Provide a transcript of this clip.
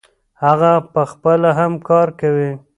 هغه پخپله هم کار کوي.